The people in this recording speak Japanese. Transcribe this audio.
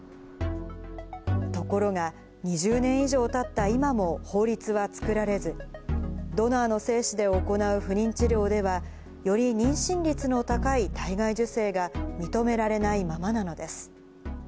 ところが２０年以上たった今も、法律は作られず、ドナーの精子で行う不妊治療では、より妊娠率の高い体外受精が認められないままなのです。